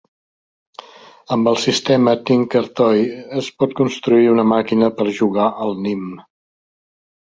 Amb el sistema TinkerToy es pot construir una màquina per jugar al nim.